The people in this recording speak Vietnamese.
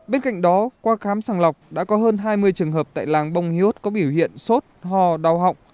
bên cạnh đó qua khám sàng lọc đã có hơn hai mươi trường hợp tại làng bông hiếu có biểu hiện sốt ho đau họng